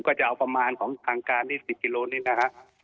ก็จะเอาประมาณของทางการนี่๑๐กิโลนี่นะฮะ